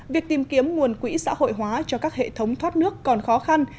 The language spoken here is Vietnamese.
việc tìm kiếm nguồn quỹ xã hội hóa cho các hệ thống thoát nước còn khó khăn